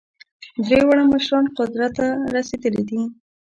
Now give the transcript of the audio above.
درې واړه مشران قدرت ته رسېدلي دي.